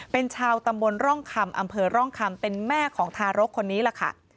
เป็นชาวตำบลร่องคำอำเภอร่องคำเป็นแม่ของทารกคนนี้แหละค่ะ